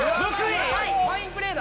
ファインプレーだ。